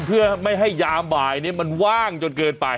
เพื่อไม่ให้ยามบ่ายนี้มันว่างจนเกินไป